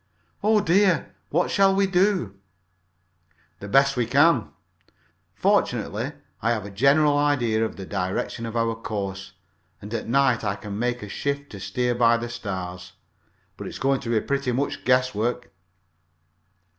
"Oh, dear! What shall we do?" "The best we can. Fortunately, I have a general idea of the direction of our course, and at night I can make a shift to steer by the stars, but it's going to be pretty much guesswork."